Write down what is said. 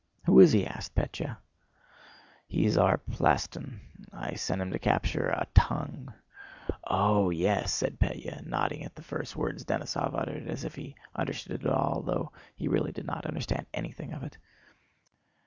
"Who is he?" asked Pétya. "He's our plastún. I sent him to capture a 'tongue.'" "Oh, yes," said Pétya, nodding at the first words Denísov uttered as if he understood it all, though he really did not understand anything of it.